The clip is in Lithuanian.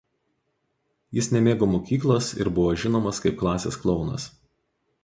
Jis nemėgo mokyklos ir buvo žinomas kaip klasės klounas.